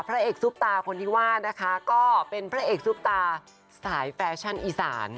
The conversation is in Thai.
พระเอกซุปตาคนที่ว่านะคะก็เป็นพระเอกซุปตาสายแฟชั่นอีสาน